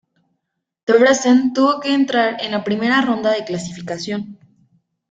Debrecen tuvo que entrar en la primera ronda de clasificación.